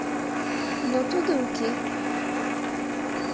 Но тудо уке.